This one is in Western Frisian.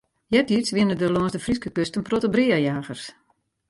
Eartiids wienen der lâns de Fryske kust in protte breajagers.